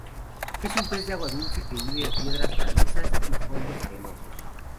Es un pez de agua dulce que vive en piedras, calizas y fondos arenosos.